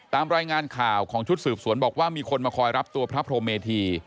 ตามรายงานข่าวของชุดสืบสวนบอกว่ามีคนมาคอยรับตัวพระพรหมเมธี